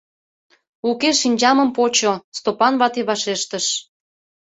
— Уке, шинчамым почо, — Стопан вате вашештыш.